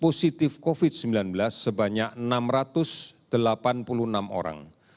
positif covid sembilan belas sebanyak enam ratus delapan puluh enam orang